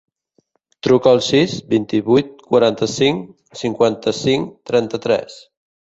Truca al sis, vint-i-vuit, quaranta-cinc, cinquanta-cinc, trenta-tres.